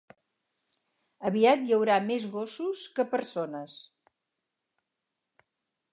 Aviat hi haurà més gossos que persones